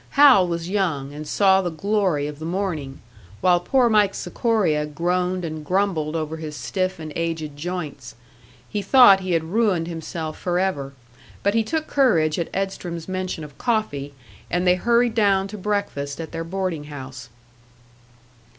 Hal was young, and saw the glory of the morning, while poor Mike Sikoria groaned and grumbled over his stiff and aged joints. He thought he had ruined himself forever, but he took courage at Edstrom's mention of coffee, and they hurried down to breakfast at their boarding house.